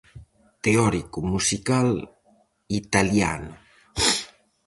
Teórico musical italiano.